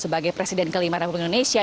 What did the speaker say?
sebagai presiden kelima republik indonesia